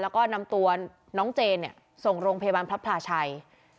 แล้วก็นำตัวน้องเจนส่งโรงพยาบาลพระพลาชัย